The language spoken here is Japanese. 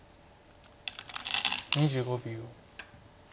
２５秒。